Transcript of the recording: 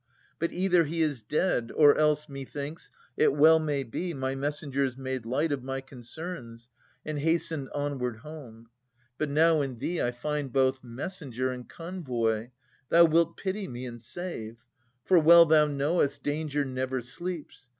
But either he is dead, or else, methinks. It well may be, my messengers made light Of my concerns, and hastened onward home. But now in thee I find both messenger And convoy, thou wilt pity me and save. For, well thou knowest, danger never sleeps.